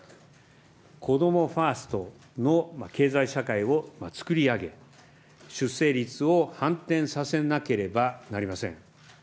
子どもファーストの経済社会を作り上げ、出生率を反転させなければなりません。